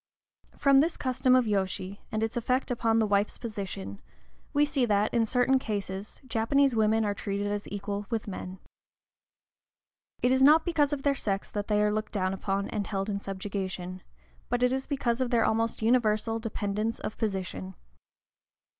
From this custom of yōshi, and its effect upon the wife's position, we see that, in certain cases, Japanese women are treated as equal with men. It is not because of their sex that they are looked down upon and held in subjection, but it is because of their almost universal dependence of position.